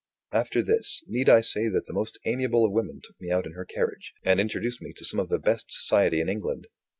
After this, need I say that the most amiable of women took me out in her carriage, and introduced me to some of the best society in England?